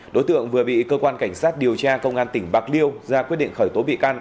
đối tượng vừa bị cơ quan cảnh sát điều tra công an tỉnh bạc liêu ra quyết định khởi tố bị can